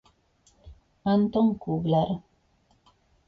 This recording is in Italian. Anton Kugler